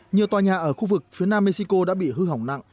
nhiều tòa nhà ở khu vực phía nam mexico đã bị hư hỏng nặng